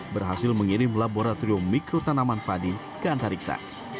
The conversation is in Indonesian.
berhasil mengirim laboratorium mikro tanaman padi ke antariksa